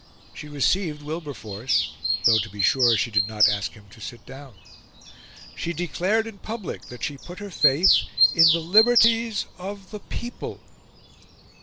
She received Wilberforce though, to be sure, she did not ask him to sit down. She declared in public that she put her faith in "the liberties of the People."